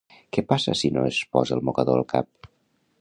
Què passa si no es posa el mocador al cap?